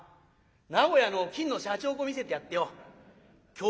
名古屋の金のしゃちほこ見せてやってよ京